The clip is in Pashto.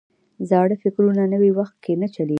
زاړه فکرونه نوي وخت کې نه چلیږي.